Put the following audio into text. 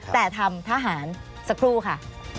แต่ทำทหารสักครู่ค่ะ